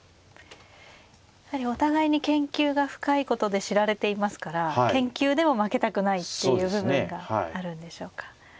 お互いに研究が深いことで知られていますから研究でも負けたくないっていう部分があるんでしょうか。